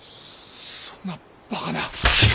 そんなバカな。